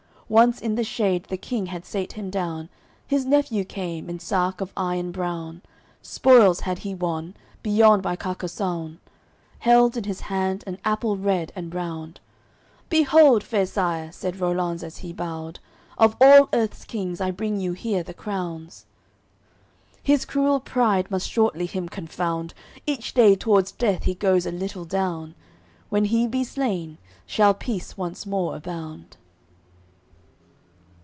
Once in the shade the King had sate him down; His nephew came, in sark of iron brown, Spoils he had won, beyond by Carcasoune, Held in his hand an apple red and round. "Behold, fair Sire," said Rollanz as he bowed, "Of all earth's kings I bring you here the crowns." His cruel pride must shortly him confound, Each day t'wards death he goes a little down, When he be slain, shall peace once more abound."